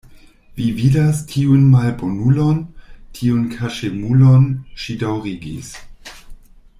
Vi vidas tiun malbonulon, tiun kaŝemulon, ŝi daŭrigis.